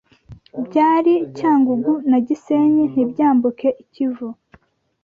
byari Cyangugu na Gisenyi ntibyambuke i Kivu.”